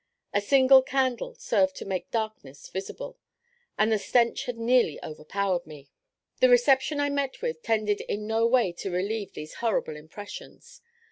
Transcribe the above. A single candle served to make darkness visible, and the stench had nearly overpowered me. The reception I met with tended in no way to relieve these horrible impressions.